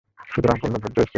সুতরাং পূর্ণ ধৈর্যই শ্রেয়।